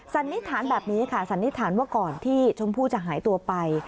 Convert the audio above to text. สันนิษฐานแบบนี้ค่ะสันนิษฐานว่าก่อนที่ชมพู่จะหายตัวไป